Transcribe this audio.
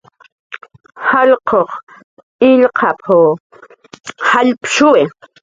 "jallq'uq illqap"" jallpshuwi."